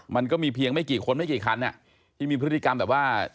มันก็มีเพียงไม่กี่คนไม่กี่คันที่มีพฤติกรรมแบบว่า